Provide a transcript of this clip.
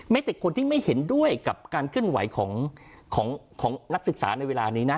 แต่คนที่ไม่เห็นด้วยกับการเคลื่อนไหวของนักศึกษาในเวลานี้นะ